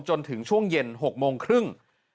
จนถึงช่วงเย็น๖โมงครึ่ง